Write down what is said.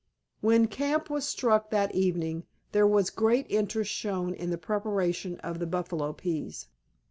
When camp was struck that evening there was great interest shown in the preparation of the buffalo peas.